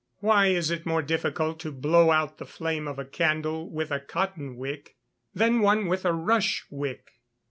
_Why is it more difficult to blow out the flame of a candle with a cotton wick than one with a rush wick?